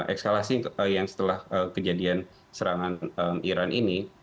ekskalasi yang setelah kejadian serangan iran ini